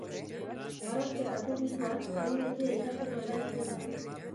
Marrazketa teknikoan geometria ikasteko erabiltzen da.